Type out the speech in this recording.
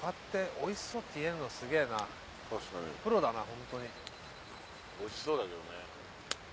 おいしそうだけどね。